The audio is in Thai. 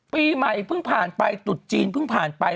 ปีใหม่เพิ่งผ่านไปตุดจีนเพิ่งผ่านไป